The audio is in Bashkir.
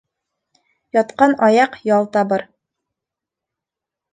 Ятҡан аяҡ ял табыр.